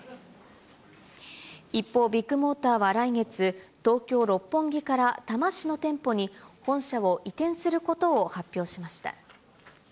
一方、ビッグモーターは来月、東京・六本木から多摩市の店舗に本社を移転することを発表しました。